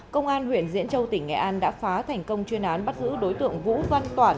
công an huyện diễn châu tỉnh nghệ an đã phá thành công chuyên án bắt giữ đối tượng vũ văn toạn